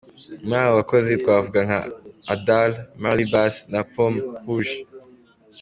Muri abo bakozi twavuga nka: Adal ,Marley Bass na Paume Rouge.